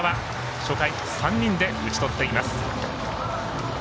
初回、３人で打ち取っています。